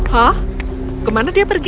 hah kemana dia pergi